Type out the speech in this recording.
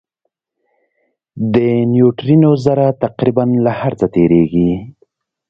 د نیوټرینو ذره تقریباً له هر څه تېرېږي.